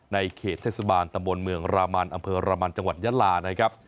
ในเขตเทศบาลตำบลเมืองรามันอำเภอรามันจังหวัดยาลานะครับ